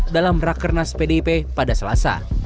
dalam rakernas pdip pada selasa